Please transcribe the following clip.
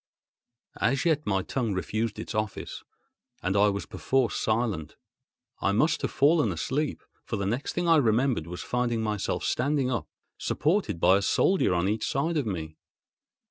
As yet my tongue refused its office, and I was perforce silent. I must have fallen asleep; for the next thing I remembered was finding myself standing up, supported by a soldier on each side of me.